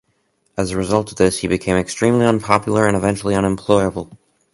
As a result of this, he became extremely unpopular and eventually unemployable.